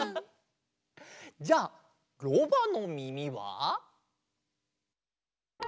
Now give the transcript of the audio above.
じゃあろばのみみは？